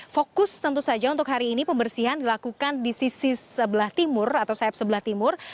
fokus tentu saja untuk hari ini pembersihan dilakukan di sisi sebelah timur atau sayap sebelah timur